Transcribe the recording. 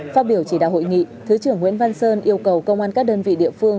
phát biểu chỉ đạo hội nghị thứ trưởng nguyễn văn sơn yêu cầu công an các đơn vị địa phương